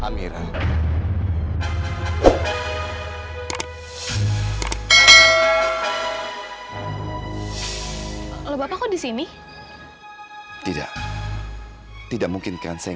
kedengar dirimu saja